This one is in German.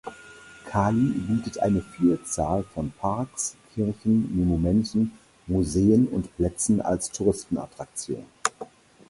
Cali bietet eine Vielzahl von Parks, Kirchen, Monumenten, Museen und Plätzen als Touristenattraktion.